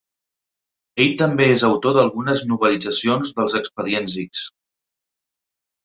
Ell també és autor d'algunes novel·litzacions d'Els Expedients X.